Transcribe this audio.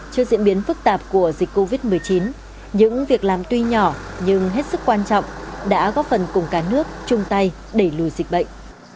trước diễn biến phức tạp của dịch covid một mươi chín những việc làm tuy nhỏ nhưng hết sức quan trọng đã góp phần cùng cả nước chung tay đẩy lùi dịch bệnh